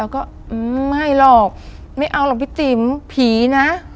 ก็ไม่หรอกไม่เอาหรอกพี่ติ๋มผีนะ